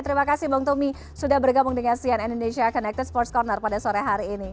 terima kasih bang tommy sudah bergabung dengan cn indonesia connected sports corner pada sore hari ini